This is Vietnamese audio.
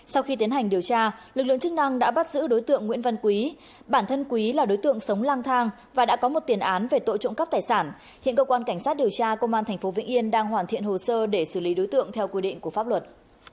sau khi tiến hành điều tra lực lượng chức năng đã bắt giữ đối tượng nguyễn văn quý bản thân quý là đối tượng sống lang thang và đã có một tiền án về tội trộm cắp tài sản hiện cơ quan cảnh sát điều tra công an tp vĩnh yên đang hoàn thiện hồ sơ để xử lý đối tượng theo quy định của pháp luật